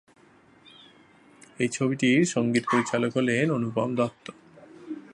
এই ছবিটির সঙ্গীত পরিচালক হলেন অনুপম দত্ত।